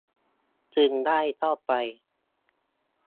จึงได้เข้าไป